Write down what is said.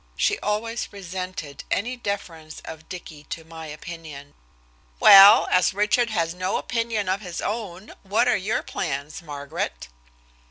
She always resented any deference of Dicky to my opinion. "Well, as Richard has no opinion of his own, what are your plans, Margaret?"